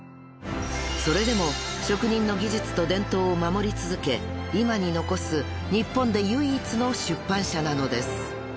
［それでも職人の技術と伝統を守り続け今に残す日本で唯一の出版社なのです］